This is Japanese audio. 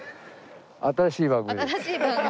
新しい番組。